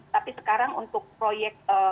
tapi sekarang untuk proyek